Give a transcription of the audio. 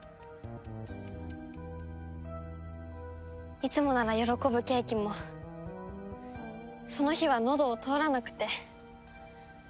いつもなら喜ぶケーキもその日はのどを通らなくて。